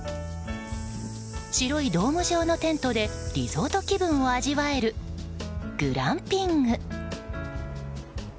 白いドーム状のテントでリゾート気分を味わえるグランピング。